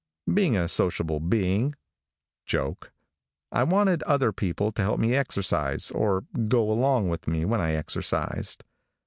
Being a sociable being (joke) I wanted other people to help me exercise, or go along with me when I exercised.